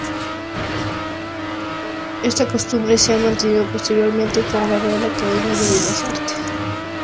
Esta costumbre se ha mantenido posteriormente con la Real Academia de Bellas Artes.